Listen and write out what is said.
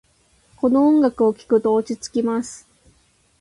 この音楽を聴くと落ち着きます。